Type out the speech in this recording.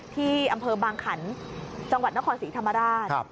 ที่อำเภอบางขันจังหวัดนครศรีธรรมราช